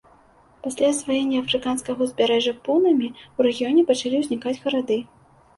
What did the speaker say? Пасля асваення афрыканскага ўзбярэжжа пунамі ў рэгіёне пачалі ўзнікаць гарады.